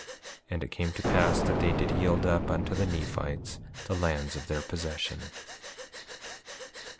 5:52 And it came to pass that they did yield up unto the Nephites the lands of their possession.